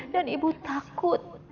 dan ibu takut